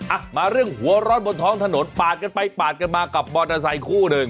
อ่ะมาเรื่องหัวร้อนบนท้องถนนปาดกันไปปาดกันมากับมอเตอร์ไซคู่หนึ่ง